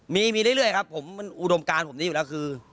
มีมีเรื่อยครับผมมันอุดมการผมนี้อยู่แล้วคือ